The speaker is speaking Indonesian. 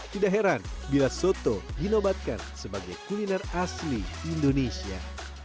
tidak heran bila soto dinobatkan sebagai kuliner asli indonesia